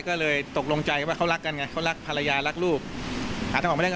ก็เลยตกลงใจว่าเขารักกันไงเขารักภรรยารักลูกหาทางออกไม่ได้ก็